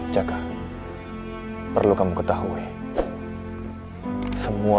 jangan tinggalkan aku ketul